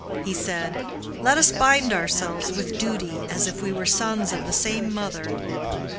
He said, 'Let us bind ourselves with duty, as if we were sons of the same mother.